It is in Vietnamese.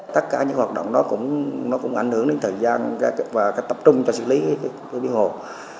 tất cả những hoạt động nó cũng ảnh hưởng đến thời gian và cách tập trung cho xử lý biên hồn